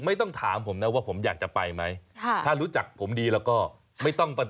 ไม่ต้องถามผมนะว่าผมอยากจะไปไหมค่ะถ้ารู้จักผมดีแล้วก็ไม่ต้องประท